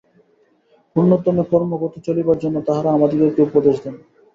পূর্ণোদ্যমে কর্মপথে চলিবার জন্য তাঁহারা আমাদিগকে উপদেশ দেন।